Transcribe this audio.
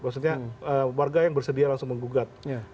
maksudnya warga yang bersedia langsung menggugat